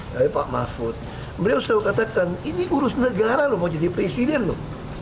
tapi pak mahfud beliau selalu katakan ini urus negara loh mau jadi presiden loh